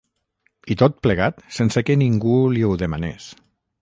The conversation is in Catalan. I tot plegat sense que ningú no li ho demanés.